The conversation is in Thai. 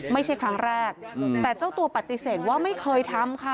ไม่ใช่ครั้งแรกแต่เจ้าตัวปฏิเสธว่าไม่เคยทำค่ะ